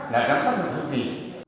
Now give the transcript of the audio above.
là giám sát một thứ gì